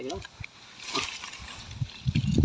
เทียงคู่